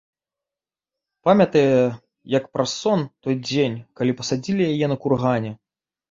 Памятае, як праз сон, той дзень, калі пасадзілі яе на кургане.